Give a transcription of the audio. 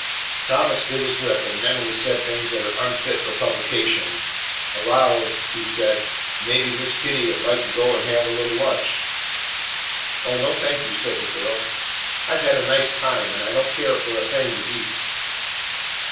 Thomas bit his lip, and mentally said things that are unfit for publication. Aloud he said, "Mebbe Miss Kitty 'ud like to go an' have a little lunch." "Oh, no, thank you," said the girl; "I 've had a nice time and I don't care for a thing to eat."